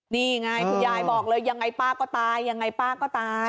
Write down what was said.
นี่ไงคุณยายบอกเลยยังไงป้าก็ตายยังไงป้าก็ตาย